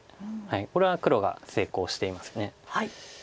これは黒が成功しています。